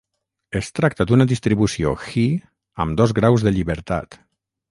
Es tracta d'una distribució chi amb dos graus de llibertat.